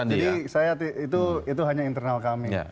internal jadi itu hanya internal kami